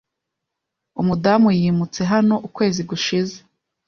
Umudamu yimutse hano ukwezi gushize .